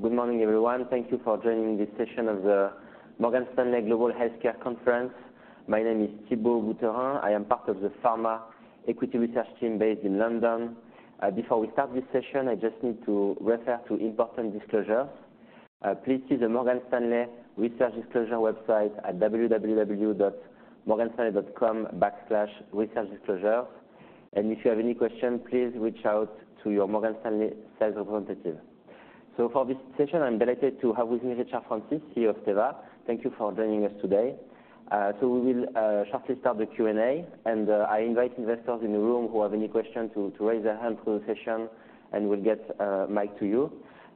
Good morning, everyone. Thank you for joining this session of the Morgan Stanley Global Healthcare Conference. My name is Thibault Boutherin. I am part of the Pharma Equity Research team based in London. Before we start this session, I just need to refer to important disclosures. Please see the Morgan Stanley Research Disclosure website at www.morganstanley.com/researchdisclosure. If you have any questions, please reach out to your Morgan Stanley sales representative. For this session, I'm delighted to have with me Richard Francis, CEO of Teva. Thank you for joining us today. We will shortly start the Q&A, and I invite investors in the room who have any questions to raise their hand through the session, and we'll get a mic to you.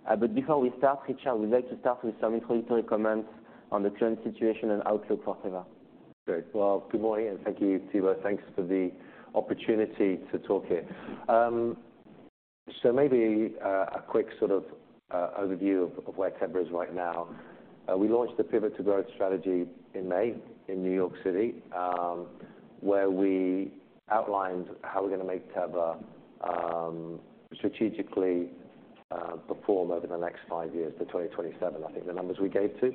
But before we start, Richard, we'd like to start with some introductory comments on the current situation and outlook for Teva. Great. Well, good morning, and thank you, Thibault. Thanks for the opportunity to talk here. So maybe a quick sort of overview of where Teva is right now. We launched the Pivot to Growth strategy in May, in New York City, where we outlined how we're gonna make Teva strategically perform over the next five years, to 2027, I think the numbers we gave to.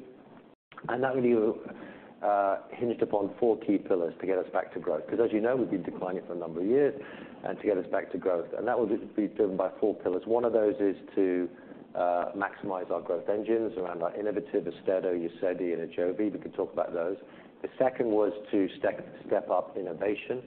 And that review hinged upon four key pillars to get us back to growth, because as you know, we've been declining for a number of years, and to get us back to growth. And that will be driven by four pillars. One of those is to maximize our growth engines around our innovative AUSTEDO, UZEDY, and AJOVY. We can talk about those. The second was to step up innovation.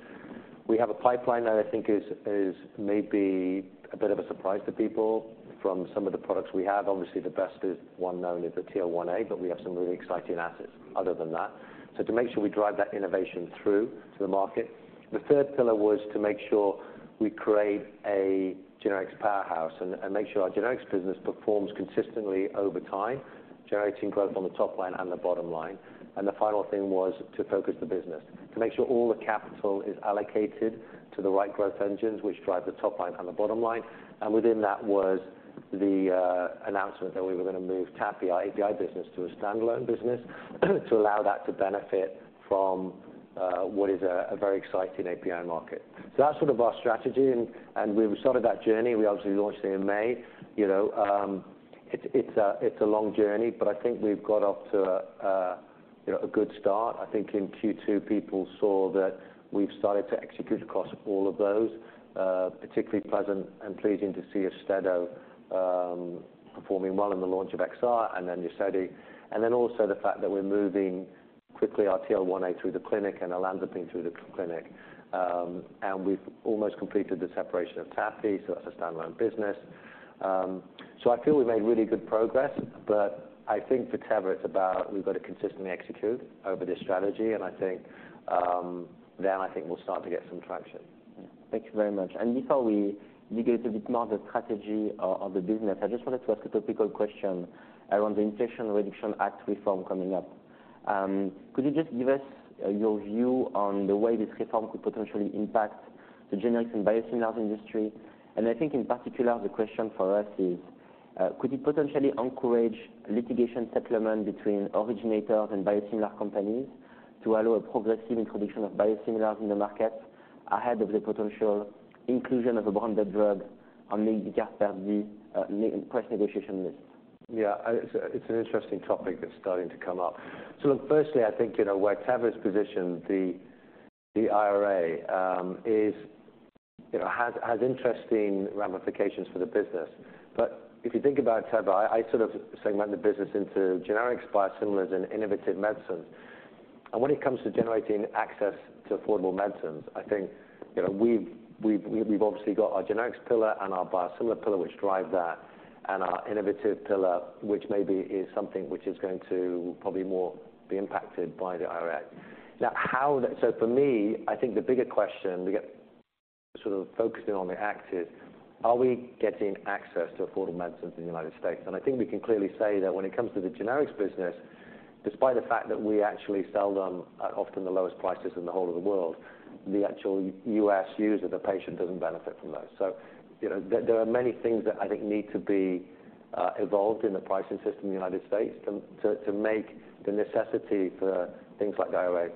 We have a pipeline that I think is maybe a bit of a surprise to people from some of the products we have. Obviously, the best is one known as the TL1A, but we have some really exciting assets other than that. So to make sure we drive that innovation through to the market. The third pillar was to make sure we create a generics powerhouse and make sure our generics business performs consistently over time, generating growth on the top line and the bottom line. And the final thing was to focus the business, to make sure all the capital is allocated to the right growth engines, which drive the top line and the bottom line. And within that was the announcement that we were going to move TAPI, our API business, to a standalone business, to allow that to benefit from what is a very exciting API market. So that's sort of our strategy and we've started that journey. We obviously launched it in May. You know, it's a long journey, but I think we've got off to a, you know, a good start. I think in Q2, people saw that we've started to execute across all of those, particularly pleasant and pleasing to see AUSTEDO performing well in the launch of XR and then UZEDY. And then also the fact that we're moving quickly our TL1A through the clinic and olanzapine through the clinic. And we've almost completed the separation of TAPI, so that's a standalone business. So, I feel we've made really good progress, but I think for Teva, it's about we've got to consistently execute over this strategy, and I think, then I think we'll start to get some traction. Thank you very much. Before we dig a little bit more the strategy of the business, I just wanted to ask a topical question around the Inflation Reduction Act reform coming up. Could you just give us your view on the way this reform could potentially impact the generics and biosimilars industry? And I think in particular, the question for us is, could you potentially encourage litigation settlement between originators and biosimilar companies to allow a progressive introduction of biosimilars in the market ahead of the potential inclusion of a branded drug on the Uncertain price negotiation list? Yeah, it's an interesting topic that's starting to come up. So look, firstly, I think you know, where Teva is positioned, the IRA is. You know, has interesting ramifications for the business. But if you think about Teva, I sort of segment the business into generics, biosimilars, and innovative medicines. And when it comes to generating access to affordable medicines, I think, you know, we've obviously got our generics pillar and our biosimilar pillar, which drive that, and our innovative pillar, which maybe is something which is going to probably more be impacted by the IRA. So for me, I think the bigger question we get sort of focusing on the act is, are we getting access to affordable medicines in the US? I think we can clearly say that when it comes to the generics business, despite the fact that we actually sell them at often the lowest prices in the whole of the world, the actual US user, the patient, doesn't benefit from those. So, you know, there are many things that I think need to be evolved in the pricing system in the US to make the necessity for things like the IRA,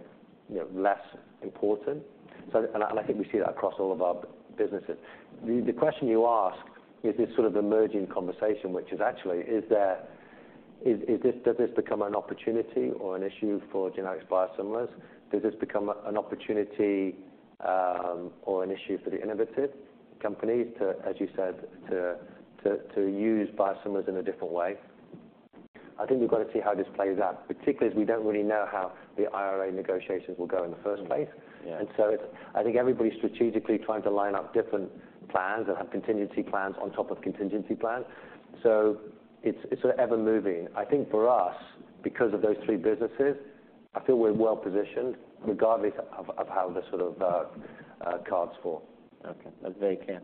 you know, less important. So, I think we see that across all of our businesses. The question you ask is this sort of emerging conversation, which is actually, is there, is this, does this become an opportunity or an issue for generics biosimilars? Does this become a, an opportunity, or an issue for the innovative companies to, as you said, use biosimilars in a different way? I think we've got to see how this plays out, particularly as we don't really know how the IRA negotiations will go in the first place. Yeah. And so I think everybody's strategically trying to line up different plans and have contingency plans on top of contingency plans. So it's, it's ever-moving. I think for us, because of those three businesses, I feel we're well positioned regardless of, of how the sort of cards fall. Okay, that's very clear.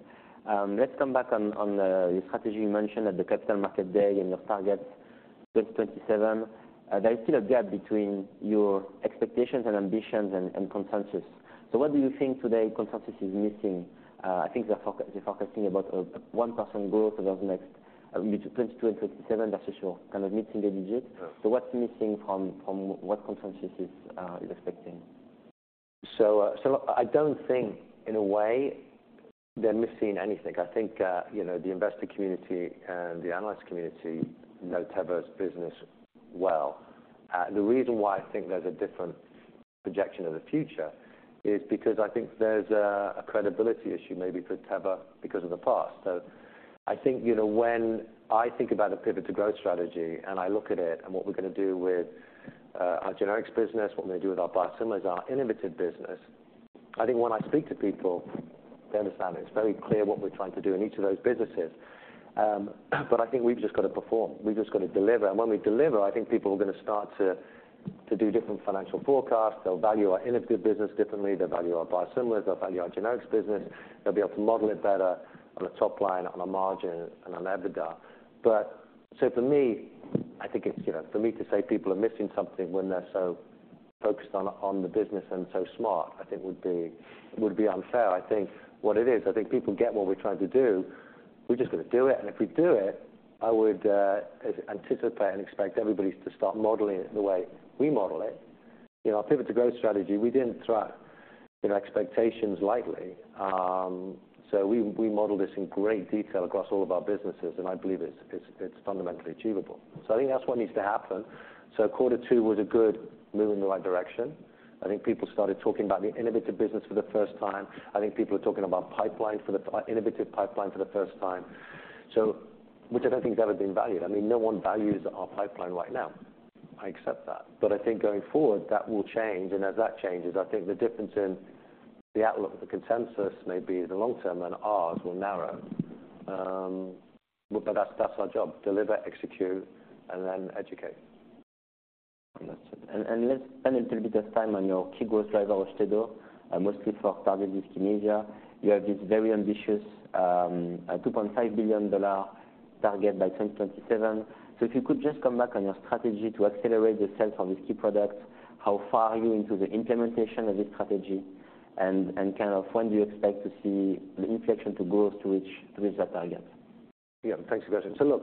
Let's come back on the strategy you mentioned at the Capital Market Day and your target 2027. There is still a gap between your expectations and ambitions and consensus. So what do you think today consensus is missing? I think they're focusing about a 1% growth over the next 22-27. That's for sure, kind of missing the digit. Yeah. What's missing from what consensus is expecting?... So, so I don't think in a way they're missing anything. I think, you know, the investor community and the analyst community know Teva's business well. The reason why I think there's a different projection of the future is because I think there's a credibility issue maybe for Teva because of the past. So I think, you know, when I think about a Pivot to Growth strategy, and I look at it and what we're gonna do with our generics business, what we're gonna do with our biosimilars, our innovative business, I think when I speak to people, they understand it. It's very clear what we're trying to do in each of those businesses. But I think we've just got to perform. We've just got to deliver. When we deliver, I think people are going to start to, to do different financial forecasts. They'll value our innovative business differently. They'll value our biosimilars, they'll value our generics business. They'll be able to model it better on a top line, on a margin, and on EBITDA. But so for me, I think it's, you know, for me to say people are missing something when they're so focused on, on the business and so smart, I think would be, would be unfair. I think what it is, I think people get what we're trying to do. We've just got to do it, and if we do it, I would anticipate and expect everybody to start modeling it the way we model it. You know, our Pivot to Growth strategy, we didn't throw out, you know, expectations lightly. So we modeled this in great detail across all of our businesses, and I believe it's fundamentally achievable. So I think that's what needs to happen. So quarter two was a good move in the right direction. I think people started talking about the innovative business for the first time. I think people are talking about innovative pipeline for the first time. So which I don't think has ever been valued. I mean, no one values our pipeline right now. I accept that. But I think going forward, that will change, and as that changes, I think the difference in the outlook of the consensus, maybe in the long term than ours, will narrow. But that's our job: deliver, execute, and then educate. Let's spend a little bit of time on your key growth driver, AUSTEDO, and mostly for Tardive dyskinesia. You have this very ambitious, a $2.5 billion target by 2027. So if you could just come back on your strategy to accelerate the sales of this key product, how far are you into the implementation of this strategy? And kind of when do you expect to see the inflection to growth to which, to reach that target? Yeah, thanks, Uncertain. So look,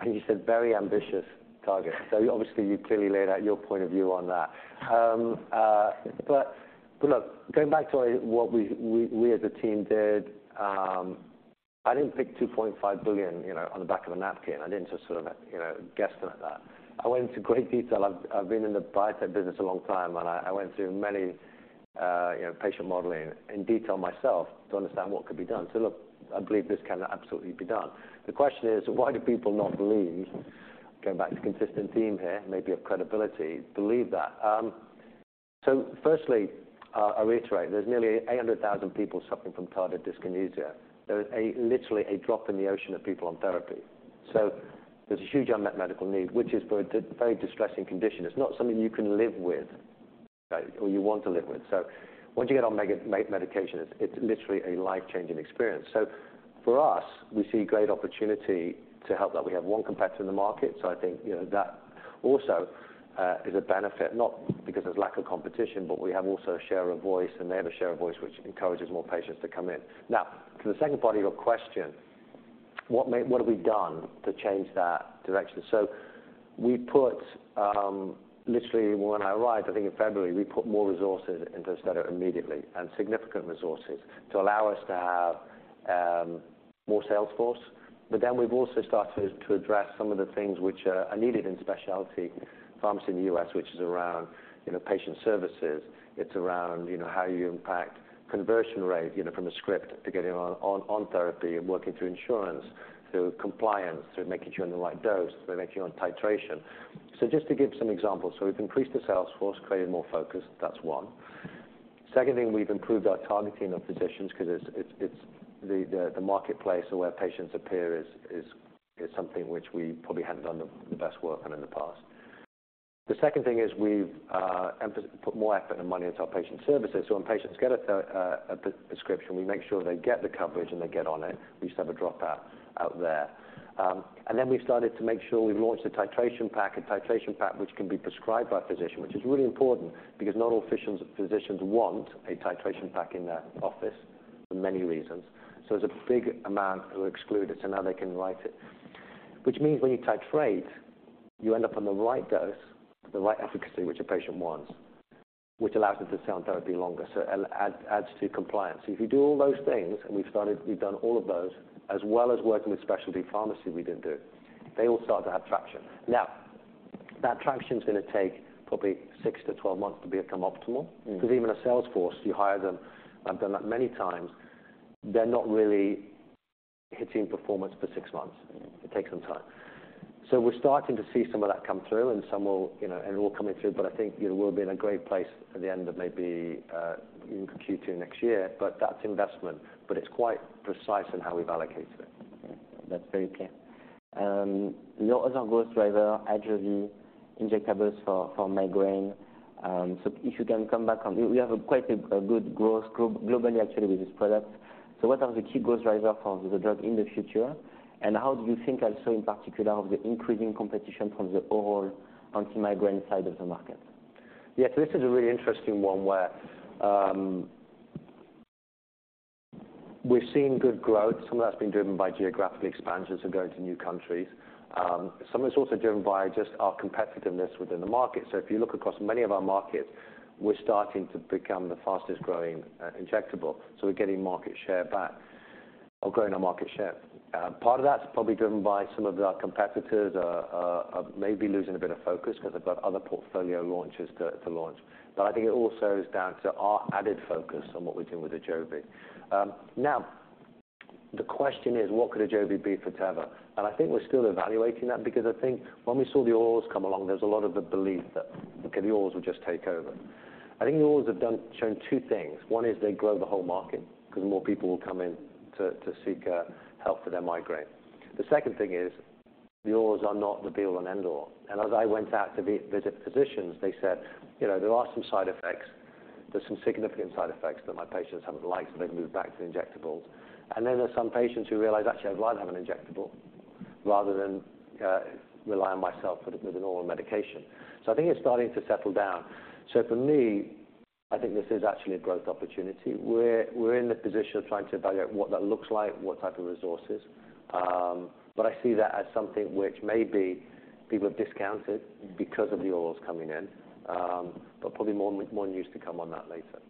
I think you said very ambitious target. So obviously, you clearly laid out your point of view on that. But look, going back to what we as a team did, I didn't pick $2.5 billion, you know, on the back of a napkin. I didn't just sort of, you know, guess at that. I went into great detail. I've been in the biotech business a long time, and I went through many, you know, patient modeling in detail myself to understand what could be done. So look, I believe this can absolutely be done. The question is, why do people not believe, going back to the consistent theme here, maybe of credibility, believe that? So firstly, I'll reiterate, there's nearly 800,000 people suffering from Tardive Dyskinesia. There is literally a drop in the ocean of people on therapy. So there's a huge unmet medical need, which is for a very distressing condition. It's not something you can live with, or you want to live with. So once you get on medication, it's, it's literally a life-changing experience. So for us, we see great opportunity to help that. We have one competitor in the market, so I think, you know, that also is a benefit, not because there's lack of competition, but we have also a share of voice, and they have a share of voice, which encourages more patients to come in. Now, to the second part of your question, what have we done to change that direction? So we put, literally when I arrived, I think in February, we put more resources into AUSTEDO immediately and significant resources to allow us to have more sales force. But then we've also started to address some of the things which are needed in specialty pharmacy in the US, which is around, you know, patient services. It's around, you know, how you impact conversion rate, you know, from a script to getting on, on, on therapy and working through insurance, through compliance, through making sure you're on the right dose, we're making you on titration. So just to give some examples, so we've increased the sales force, created more focus, that's one. Second thing, we've improved our targeting of physicians because it's the marketplace or where patients appear is something which we probably hadn't done the best work on in the past. The second thing is we've put more effort and money into our patient services. So when patients get a prescription, we make sure they get the coverage, and they get on it. We used to have a dropout out there. And then we started to make sure we launched a titration pack, a titration pack, which can be prescribed by a physician, which is really important because not all physicians want a titration pack in their office for many reasons. So there's a big amount who are excluded, so now they can write it. Which means when you titrate, you end up on the right dose, the right efficacy, which a patient wants, which allows them to stay on therapy longer, so adds to compliance. If you do all those things, and we've started, we've done all of those, as well as working with specialty pharmacy, they all start to have traction. Now, that traction is going to take probably 6-12 months to become optimal. Mm-hmm. Because even a sales force, you hire them, I've done that many times, they're not really hitting performance for six months. Mm-hmm. It takes some time. So we're starting to see some of that come through, and some will, you know, and it will come into, but I think it will be in a great place at the end of maybe, in Q2 next year, but that's investment, but it's quite precise in how we've allocated it. That's very clear. Your other growth driver, AJOVY, injectables for migraine. So if you can come back on, we have quite a good growth globally actually with this product. So what are the key growth driver for the drug in the future? And how do you think also in particular of the increasing competition from the overall anti-migraine side of the market? Yeah, so this is a really interesting one where we're seeing good growth. Some of that's been driven by geographic expansions and going to new countries. Some is also driven by just our competitiveness within the market. So if you look across many of our markets, we're starting to become the fastest-growing injectable. So we're getting market share back or growing our market share. Part of that's probably driven by some of our competitors maybe losing a bit of focus because they've got other portfolio launches to launch. But I think it also is down to our added focus on what we're doing with AJOVY. Now, the question is, what could AJOVYbe for Teva? And I think we're still evaluating that because I think when we saw the orals come along, there was a lot of the belief that, okay, the orals would just take over. I think the orals have shown two things. One is they grow the whole market, because more people will come in to seek help for their migraine. The second thing is, the orals are not the be all and end all. And as I went out to meet, visit physicians, they said, "You know, there are some side effects. There's some significant side effects that my patients haven't liked, so they've moved back to injectables." And then there's some patients who realize, "Actually, I'd rather have an injectable rather than rely on myself with an oral medication." So I think it's starting to settle down. For me, I think this is actually a growth opportunity. We're in the position of trying to evaluate what that looks like, what type of resources. But I see that as something which maybe people have discounted because of the orals coming in, but probably more news to come on that later.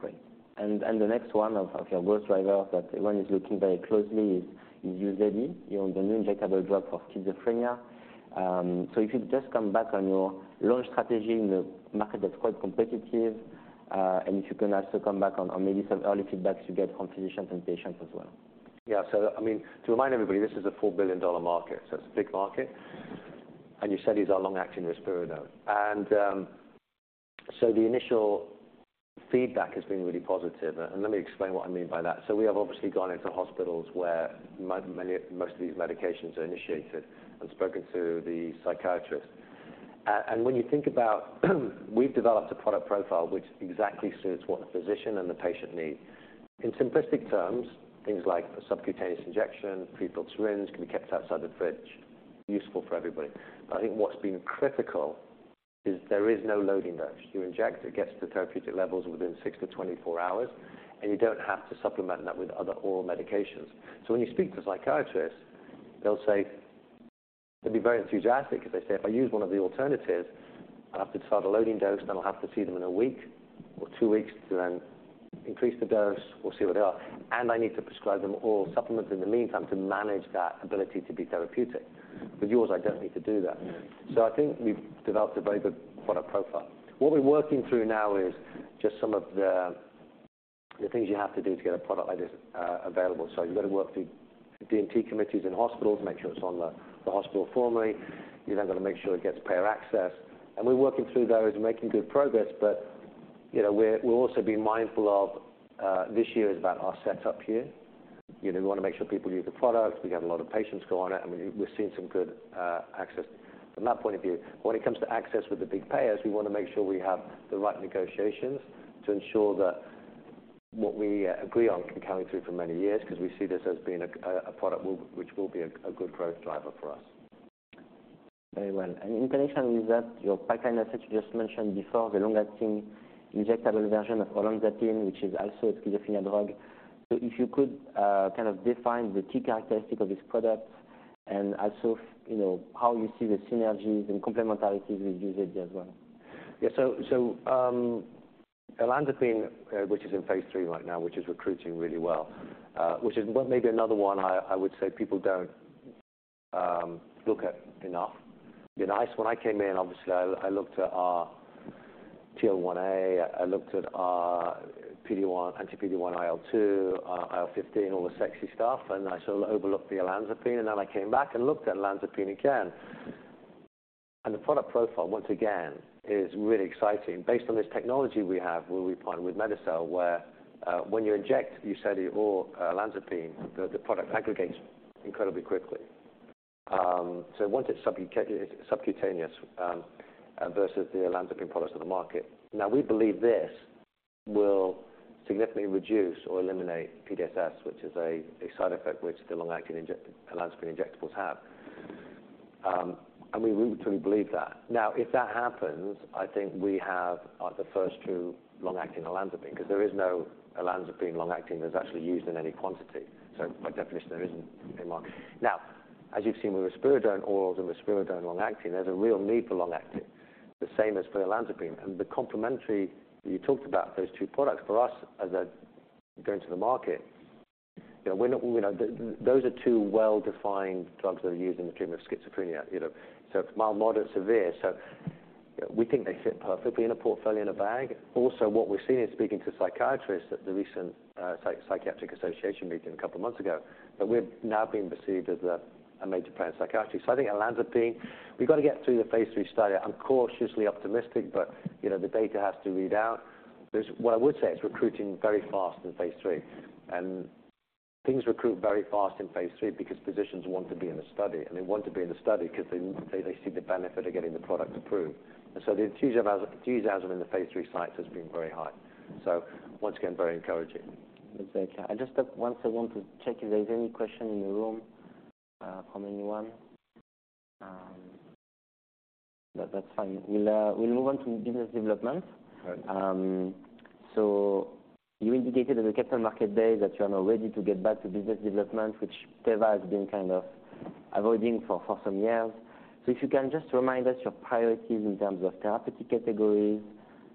Great. And the next one of your growth driver that everyone is looking very closely is UZEDY, you know, the new injectable drug for schizophrenia. So if you just come back on your launch strategy in a market that's quite competitive, and if you can also come back on maybe some early feedbacks you get from physicians and patients as well. Yeah. So I mean, to remind everybody, this is a $4 billion market, so it's a big market, and UZEDY is our long-acting risperidone. And so the initial feedback has been really positive, and let me explain what I mean by that. So we have obviously gone into hospitals where many, most of these medications are initiated and spoken to the psychiatrist. And when you think about, we've developed a product profile which exactly suits what the physician and the patient need. In simplistic terms, things like a subcutaneous injection, prefilled syringe, can be kept outside the fridge, useful for everybody. But I think what's been critical is there is no loading dose. You inject, it gets to therapeutic levels within 6-24 hours, and you don't have to supplement that with other oral medications. So when you speak to psychiatrists, they'll say... They'll be very enthusiastic, because they say, "If I use one of the alternatives, I'll have to start a loading dose, then I'll have to see them in a week or two weeks to then increase the dose or see where they are. And I need to prescribe them all supplements in the meantime to manage that ability to be therapeutic. With yours, I don't need to do that." So I think we've developed a very good product profile. What we're working through now is just some of the things you have to do to get a product like this, available. So you've got to work through DNT committees in hospitals, make sure it's on the hospital formulary. You then got to make sure it gets payer access. We're working through those and making good progress, but, you know, we're also being mindful of, this year is about our set up year. You know, we want to make sure people use the product. We have a lot of patients go on it, and we're seeing some good access from that point of view. When it comes to access with the big payers, we want to make sure we have the right negotiations to ensure that what we agree on can carry through for many years, because we see this as being a product which will be a good growth driver for us. Very well. And in connection with that, your pipeline asset you just mentioned before, the long-acting injectable version of olanzapine, which is also a schizophrenia drug. So if you could, kind of define the key characteristic of this product and also you know, how you see the synergies and complementarities with UZEDY as well. Yeah, so, olanzapine, which is in phase three right now, which is recruiting really well, which is what maybe another one I would say people don't look at enough. You know, when I came in, obviously, I looked at our TL1A, I looked at our PD-1, anti-PD-1, IL-2, IL-15, all the sexy stuff, and I sort of overlooked the olanzapine, and then I came back and looked at olanzapine again. And the product profile, once again, is really exciting. Based on this technology we have, where we partner with MedinCell, where, when you inject UZEDY or olanzapine, the product aggregates incredibly quickly. So once it's subcutaneous, versus the olanzapine products on the market. Now, we believe this will significantly reduce or eliminate PDSS, which is a side effect which the long-acting olanzapine injectables have. And we truly believe that. Now, if that happens, I think we have the first true long-acting olanzapine, because there is no olanzapine long-acting that's actually used in any quantity. So by definition, there isn't any market. Now, as you've seen with risperidone orals and risperidone long-acting, there's a real need for long-acting, the same as for olanzapine. And the complementary, you talked about those two products, for us, as a going to the market, you know, we're not, you know, those are two well-defined drugs that are used in the treatment of schizophrenia, you know, so it's mild, moderate, severe. So, we think they fit perfectly in a portfolio, in a bag. Also, what we've seen in speaking to psychiatrists at the recent Psychiatric Association meeting a couple of months ago, that we're now being perceived as a major player in psychiatry. So I think olanzapine, we've got to get through the phase three study. I'm cautiously optimistic, but, you know, the data has to read out. What I would say, it's recruiting very fast in phase three, and things recruit very fast in phase three because physicians want to be in the study, and they want to be in the study because they see the benefit of getting the product approved. And so the enthusiasm in the phase three sites has been very high. So once again, very encouraging. That's okay. I just, once I want to check if there's any question in the room, from anyone?... That's fine. We'll, we'll move on to business development. Right. So you indicated in the Capital Markets Day that you are now ready to get back to business development, which Teva has been kind of avoiding for some years. So if you can just remind us your priorities in terms of therapeutic categories,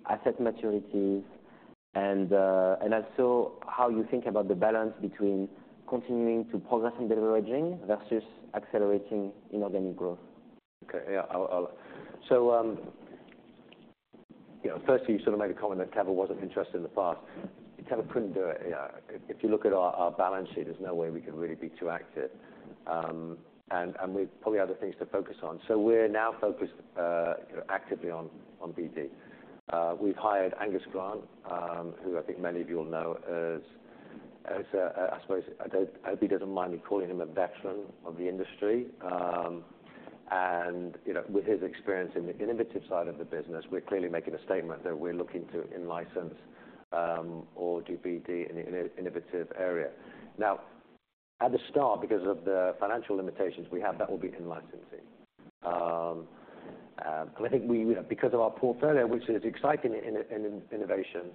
asset maturities, and also how you think about the balance between continuing to progress in deleveraging versus accelerating inorganic growth. Okay, yeah, I'll. So, you know, firstly, you sort of made a comment that Teva wasn't interested in the past. Teva couldn't do it. Yeah, if you look at our balance sheet, there's no way we could really be too active. And we've probably other things to focus on. So we're now focused actively on BD. We've hired Angus Grant, who I think many of you will know as I suppose, I hope he doesn't mind me calling him a veteran of the industry. And, you know, with his experience in the innovative side of the business, we're clearly making a statement that we're looking to in-license or do BD in innovative area. Now, at the start, because of the financial limitations we have, that will be in-licensing. And I think we, because of our portfolio, which is exciting in innovation,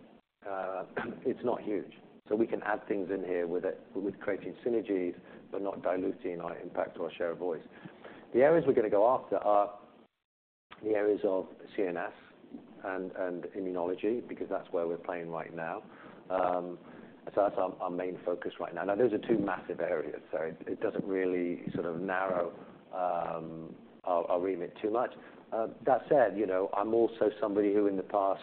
it's not huge. So we can add things in here with it, with creating synergies, but not diluting our impact or share of voice. The areas we're going to go after are the areas of CNS and immunology, because that's where we're playing right now. So that's our main focus right now. Now, those are two massive areas, so it doesn't really sort of narrow our remit too much. That said, you know, I'm also somebody who in the past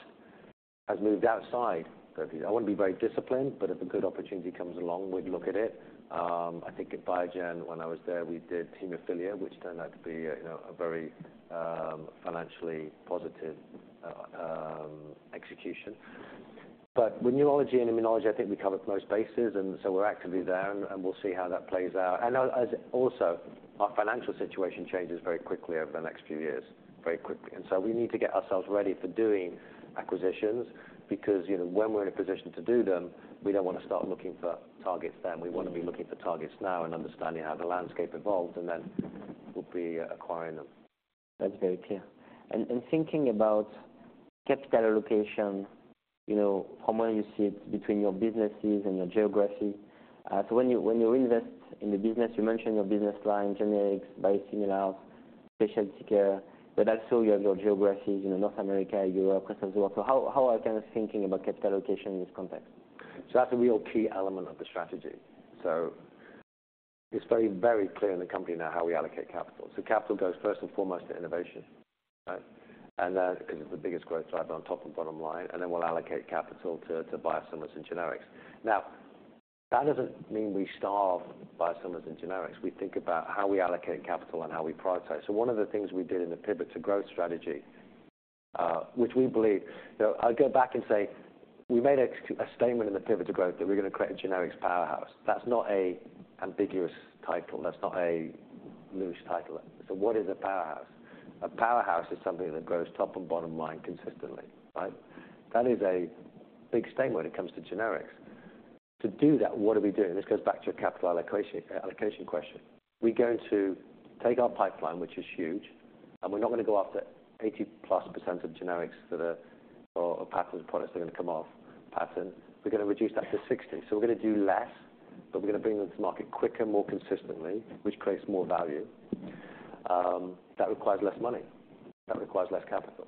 has moved outside of these. I want to be very disciplined, but if a good opportunity comes along, we'd look at it. I think at Biogen, when I was there, we did hemophilia, which turned out to be a, you know, a very, financially positive, execution. But with neurology and immunology, I think we cover most bases, and so we're actively there, and we'll see how that plays out. And as also, our financial situation changes very quickly over the next few years, very quickly. And so we need to get ourselves ready for doing acquisitions because, you know, when we're in a position to do them, we don't want to start looking for targets then. We want to be looking for targets now and understanding how the landscape evolves, and then we'll be acquiring them. That's very clear. Thinking about capital allocation, you know, from where you see it between your businesses and your geography. So when you invest in the business, you mentioned your business line, generics, biosimilars, specialty care, but also you have your geographies, you know, North America, Europe, as well. So how are you kind of thinking about capital allocation in this context? So that's a real key element of the strategy. So it's very, very clear in the company now how we allocate capital. So capital goes first and foremost to innovation, right? And, because it's the biggest growth driver on top and bottom line, and then we'll allocate capital to, to biosimilars and generics. Now, that doesn't mean we starve biosimilars and generics. We think about how we allocate capital and how we prioritize. So one of the things we did in the Pivot to Growth strategy, which we believe... Now I'll go back and say, we made a statement in the Pivot to Growth that we're going to create a generics powerhouse. That's not an ambiguous title. That's not a loose title. So what is a powerhouse? A powerhouse is something that grows top and bottom line consistently, right? That is a big statement when it comes to generics. To do that, what do we do? And this goes back to your capital allocation, allocation question. We're going to take our pipeline, which is huge, and we're not going to go after 80%+ of generics that are, or patent products that are going to come off patent. We're going to reduce that to 60. So we're going to do less, but we're going to bring them to market quicker, more consistently, which creates more value. That requires less money, that requires less capital.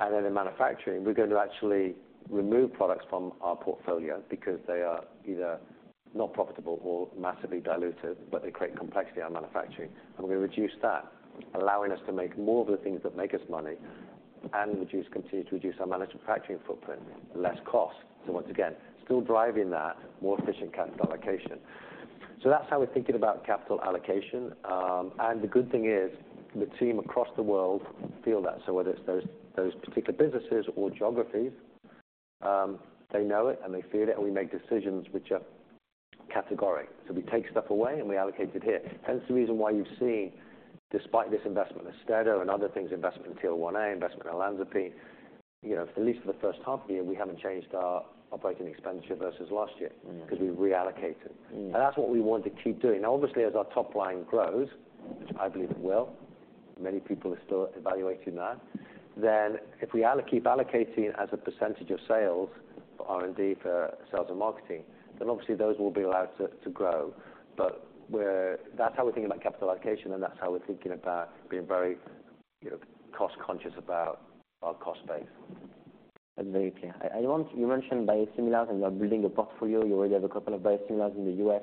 And then in manufacturing, we're going to actually remove products from our portfolio because they are either not profitable or massively diluted, but they create complexity on manufacturing. We're going to reduce that, allowing us to make more of the things that make us money and reduce, continue to reduce our manufacturing footprint, less cost. So once again, still driving that more efficient capital allocation. So that's how we're thinking about capital allocation. And the good thing is, the team across the world feel that. So whether it's those, those particular businesses or geographies, they know it, and they feel it, and we make decisions which are categorical. So we take stuff away, and we allocate it here. Hence, the reason why you've seen, despite this investment in AUSTEDO and other things, investment in TL1A, investment in olanzapine, you know, at least for the first half of the year, we haven't changed our operating expenditure versus last year- Mm-hmm. because we've reallocated. Mm-hmm. And that's what we want to keep doing. Now, obviously, as our top line grows, which I believe it will, many people are still evaluating that, then if we keep allocating as a percentage of sales for R&D, for sales and marketing, then obviously those will be allowed to grow. But we're. That's how we're thinking about capital allocation, and that's how we're thinking about being very, you know, cost conscious about our cost base. That's very clear. I want... You mentioned biosimilars, and you are building a portfolio. You already have a couple of biosimilars in the US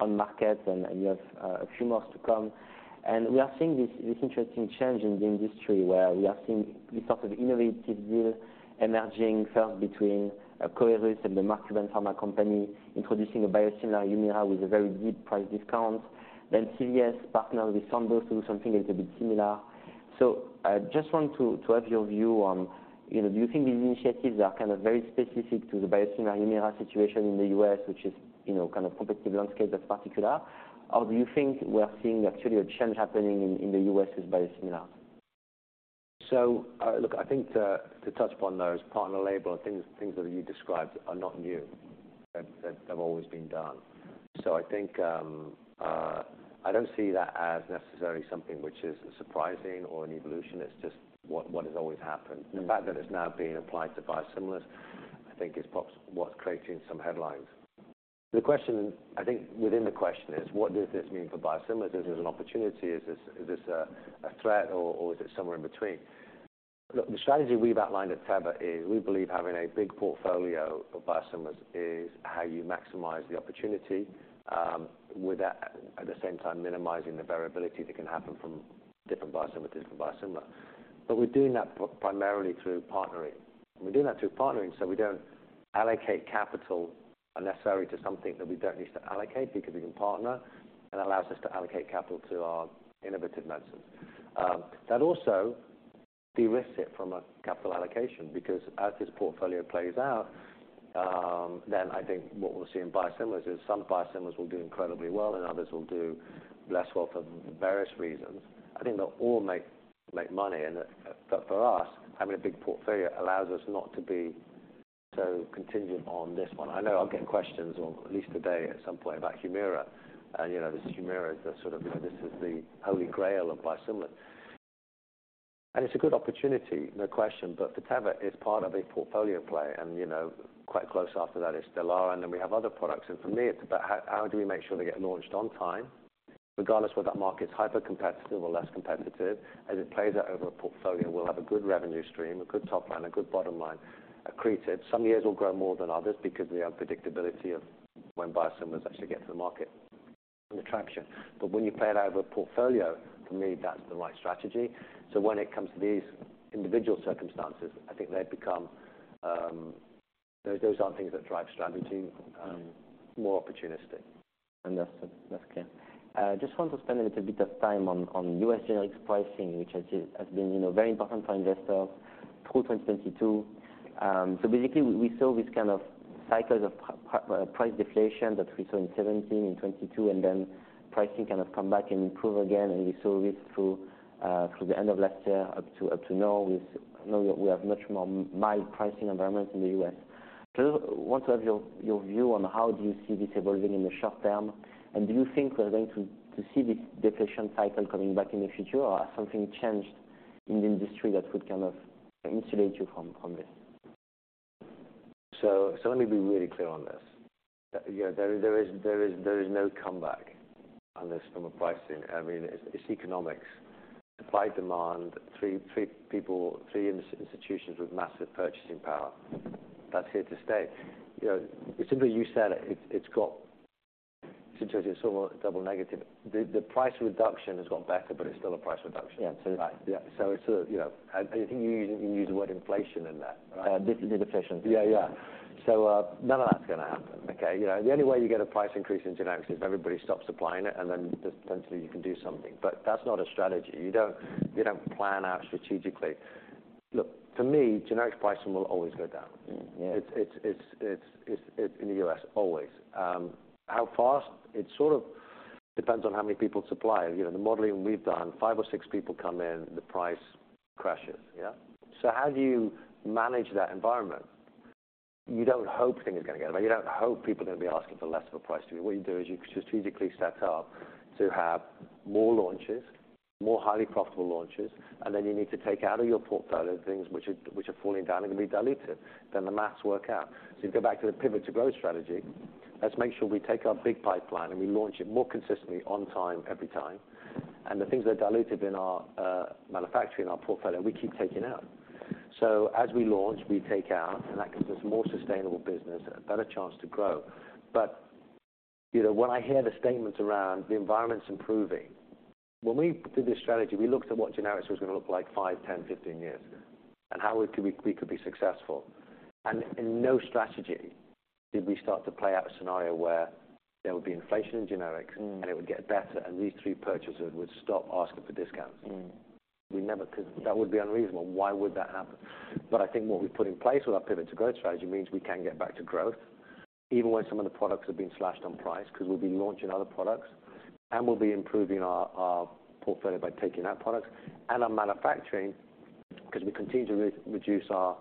on market, and you have a few more to come. And we are seeing this interesting change in the industry, where we are seeing this sort of innovative deal emerging first between Coherus and the Mark Cuban Pharma company, introducing a biosimilar Humira with a very deep price discount. Then CVS partnered with Sandoz to do something a little bit similar. So I just want to have your view on, you know, do you think these initiatives are kind of very specific to the biosimilar Humira situation in the US, which is, you know, kind of competitive landscape that's particular? Or do you think we are seeing actually a change happening in the US with biosimilars? So, look, I think to touch upon those partner label things that you described are not new, that have always been done. So I think, I don't see that as necessarily something which is surprising or an evolution. It's just what has always happened. The fact that it's now being applied to biosimilars, I think is perhaps what's creating some headlines. The question, I think within the question is, what does this mean for biosimilars? Is this an opportunity? Is this a threat, or is it somewhere in between? Look, the strategy we've outlined at Teva is we believe having a big portfolio of biosimilars is how you maximize the opportunity, without at the same time minimizing the variability that can happen from different biosimilar. But we're doing that primarily through partnering. We're doing that through partnering, so we don't allocate capital unnecessary to something that we don't need to allocate, because we can partner, and allows us to allocate capital to our innovative medicines. That also de-risks it from a capital allocation, because as this portfolio plays out, then I think what we'll see in biosimilars is some biosimilars will do incredibly well and others will do less well for various reasons. I think they'll all make money, but for us, having a big portfolio allows us not to be so contingent on this one. I know I'll get questions, or at least today, at some point about Humira. You know, this Humira is the sort of, you know, this is the holy grail of biosimilars. It's a good opportunity, no question, but for Teva, it's part of a portfolio play, and you know, quite close after that is Stelara, and then we have other products. For me, it's about how, how do we make sure they get launched on time, regardless of whether that market is hyper competitive or less competitive. As it plays out over a portfolio, we'll have a good revenue stream, a good top line, a good bottom line accreted. Some years will grow more than others because the unpredictability of when biosimilars actually get to the market and the traction. But when you play it out over a portfolio, for me, that's the right strategy. So when it comes to these individual circumstances, I think they've become, those, those aren't things that drive strategy, more opportunistic. Understood. That's clear. I just want to spend a little bit of time on US generics pricing, which has been, you know, very important for investors through 2022. So basically, we saw this kind of cycles of price deflation that we saw in 2017 and 2022, and then pricing kind of come back and improve again, and we saw this through the end of last year up to now, with now that we have much more mild pricing environments in the US So I want to have your view on how do you see this evolving in the short term, and do you think we're going to see this deflation cycle coming back in the future, or has something changed in the industry that could kind of insulate you from this? So, let me be really clear on this. You know, there is no comeback on this from a pricing. I mean, it's economics. Supply, demand, three people, three institutions with massive purchasing power, that's here to stay. You know, it's simply, you said it, it's got ... It's sort of a double negative. The price reduction has gone back, but it's still a price reduction. Yeah. So, right. Yeah, so it's, you know, I think you used the word inflation in that, right? Deflation. Yeah, yeah. So, none of that's going to happen. Okay? You know, the only way you get a price increase in generics is if everybody stops supplying it, and then potentially you can do something. But that's not a strategy. You don't, you don't plan out strategically. Look, for me, generic pricing will always go down. Mm-hmm. Yeah. It's in the US, always. How fast? It sort of depends on how many people supply. You know, the modeling we've done, 5 or 6 people come in, the price crashes. Yeah? So how do you manage that environment? You don't hope things are going to get better. You don't hope people are going to be asking for less of a price to you. What you do is you strategically set up to have more launches, more highly profitable launches, and then you need to take out of your portfolio things which are falling down, and can be diluted, then the math works out. So you go back to the Pivot to Growth strategy. Let's make sure we take our big pipeline, and we launch it more consistently on time, every time. And the things that are diluted in our manufacturing, our portfolio, we keep taking out. So as we launch, we take out, and that gives us more sustainable business and a better chance to grow. But, you know, when I hear the statements around the environment's improving, when we did this strategy, we looked at what generics was going to look like 5, 10, 15 years ago, and how we could be, we could be successful. And in no strategy did we start to play out a scenario where there would be inflation in generics- Mm. It would get better, and these three purchasers would stop asking for discounts. Mm. We never could. That would be unreasonable. Why would that happen? But I think what we put in place with our Pivot to Growth strategy means we can get back to growth, even when some of the products have been slashed on price, because we'll be launching other products, and we'll be improving our portfolio by taking out products. And our manufacturing, because we continue to reduce our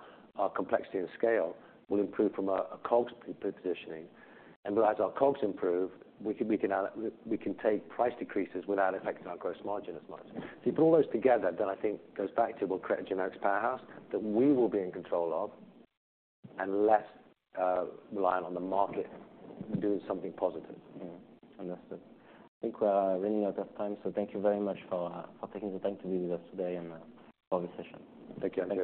complexity and scale, will improve from a COGS positioning. And as our COGS improve, we can take price decreases without affecting our gross margin as much. So you put all those together, then I think it goes back to we'll create a generics powerhouse that we will be in control of and less reliant on the market doing something positive. Mm-hmm. Understood. I think we're running out of time, so thank you very much for, for taking the time to be with us today and for the session. Thank you.